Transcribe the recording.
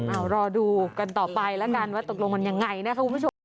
เอารอดูกันต่อไปแล้วกันว่าตกลงมันยังไงนะคะคุณผู้ชม